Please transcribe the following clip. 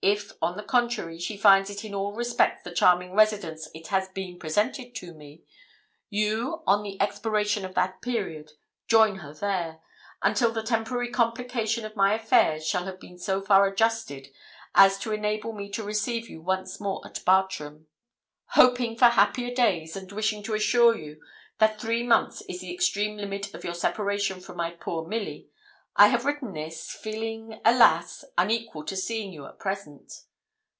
If, on the contrary, she finds it in all respects the charming residence it has been presented to me, you, on the expiration of that period, join her there, until the temporary complication of my affairs shall have been so far adjusted as to enable me to receive you once more at Bartram. Hoping for happier days, and wishing to assure you that three months is the extreme limit of your separation from my poor Milly, I have written this, feeling alas! unequal to seeing you at present.